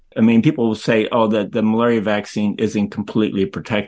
orang orang akan mengatakan vaksin malaria tidak sepenuhnya diselamatkan